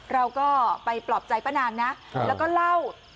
เราก็ไปปลอบใจป้านางนะแล้วก็เล่า